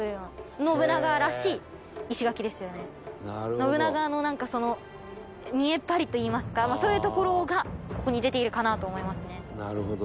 信長の見えっ張りといいますかそういうところがここに出ているかなと思いますね。